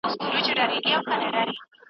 په ټولنه کې د فقر کچه لیدل کیږي.